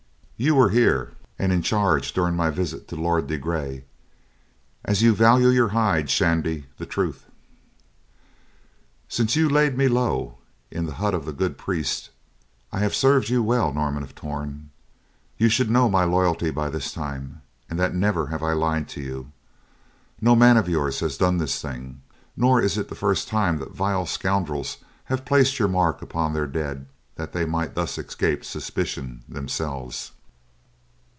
You were here and in charge during my visit to my Lord de Grey. As you value your hide, Shandy, the truth!" "Since you laid me low in the hut of the good priest, I have served you well, Norman of Torn. You should know my loyalty by this time and that never have I lied to you. No man of yours has done this thing, nor is it the first time that vile scoundrels have placed your mark upon their dead that they might thus escape suspicion, themselves."